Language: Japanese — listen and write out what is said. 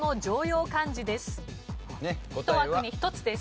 １枠に１つです。